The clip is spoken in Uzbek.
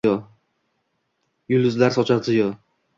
Yulduzlar sochar ziyo.